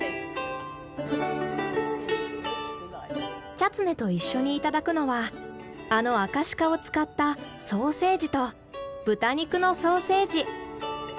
チャツネと一緒にいただくのはあのアカシカを使ったソーセージと豚肉のソーセージ。